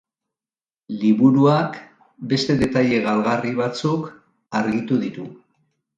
Liburuak beste detaile galgarri batzuk argitu ditu.